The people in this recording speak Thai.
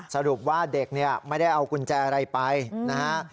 สรุปว่าเด็กเนี่ยไม่ได้เอากุญแจอะไรไปนะฮะ